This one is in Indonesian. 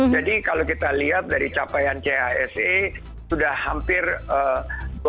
jadi kalau kita lihat kita bisa mencari keberanian kita bisa mencari keberanian kita bisa mencari keberanian